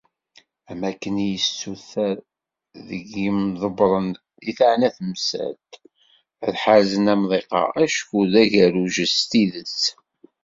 Am wakken i d-yessuter deg yimḍebbren i teεna temsalt, ad d-ḥerzen amḍiq-a, acku d agerruj s tidet.